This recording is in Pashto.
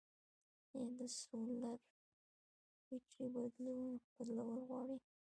آیا د سولر بیترۍ بدلول غواړي؟